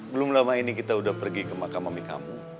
belum lama ini kita udah pergi ke makam mami kamu